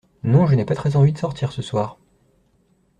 Non, je n'ai pas très envie de sortir ce soir.